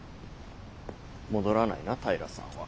戻らないな平さんは。